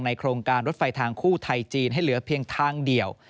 โครงการรถไฟทางคู่ไทยจีนให้เหลือเพียงทางเดียว